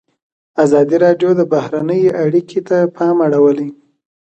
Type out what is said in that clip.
ازادي راډیو د بهرنۍ اړیکې ته پام اړولی.